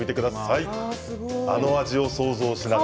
あの味を想像しながら。